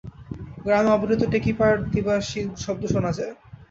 গ্রামে অবিরত টেকি পাড় দিবার শব্দ শোনা যায়।